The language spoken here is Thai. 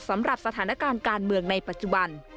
สำหรับสถานการณ์การเมืองในปัจจุบัน